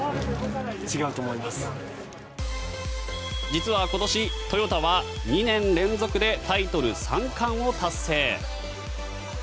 実は、今年トヨタは２年連続でタイトル３冠を達成。